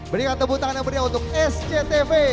berikan tepuk tangan yang meriah untuk sctv